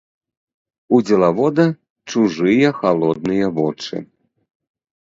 У дзелавода чужыя халодныя вочы.